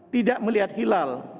tidak melihat hilal